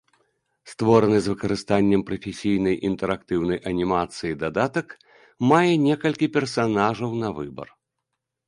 Створаны з выкарыстаннем прафесійнай інтэрактыўнай анімацыі дадатак мае некалькі персанажаў на выбар.